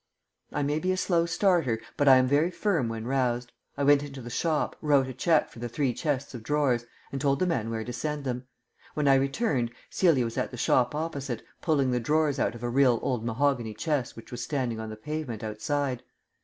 I may be a slow starter, but I am very firm when roused. I went into the shop, wrote a cheque for the three chests of drawers, and told the man where to send them. When I returned, Celia was at the shop opposite, pulling the drawers out of a real old mahogany chest which was standing on the pavement outside.